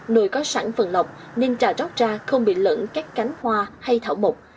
nồi có sẵn phần lọc nên trà rót ra không bị lẫn các cánh hoa hay thảo mộc